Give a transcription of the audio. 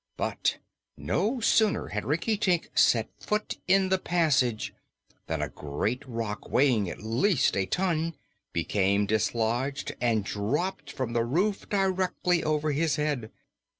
But no sooner had Rinkitink set foot in the passage than a great rock, weighing at least a ton, became dislodged and dropped from the roof directly over his head.